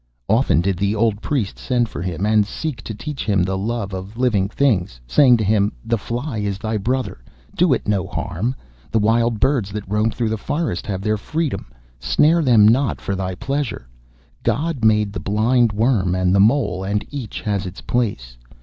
Often did the old priest send for him, and seek to teach him the love of living things, saying to him: 'The fly is thy brother. Do it no harm. The wild birds that roam through the forest have their freedom. Snare them not for thy pleasure. God made the blind worm and the mole, and each has its place.